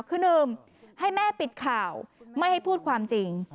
คือหนึ่งให้แม่ปิดข่าวไม่ให้พูดความจริง